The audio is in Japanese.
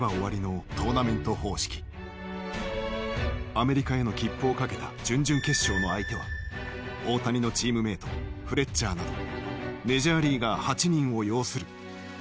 アメリカへの切符を懸けた準々決勝の相手は大谷のチームメートフレッチャーなどメジャーリーガー８人を擁するイタリア。